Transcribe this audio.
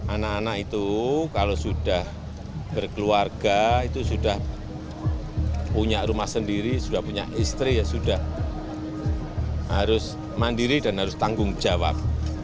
anak anak itu kalau sudah berkeluarga itu sudah punya rumah sendiri sudah punya istri ya sudah harus mandiri dan harus tanggung jawab